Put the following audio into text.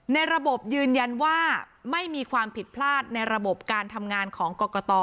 ในระบบยืนยันว่าไม่มีความผิดพลาดในระบบการทำงานของกรกต